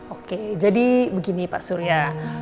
oke jadi begini pak surya